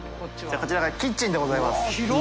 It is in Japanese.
こちらがキッチンでございます。